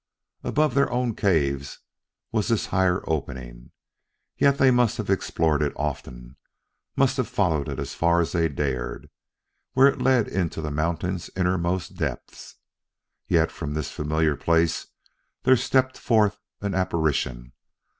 Above their own caves, was this higher opening, yet they must have explored it often must have followed it as far as they dared, where it led to the mountain's innermost depths. Yet from this familiar place there stepped forth an apparition.